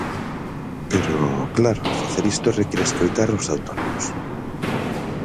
Pero, claro, facer isto require escoitar os autónomos.